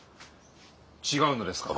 違うのですか？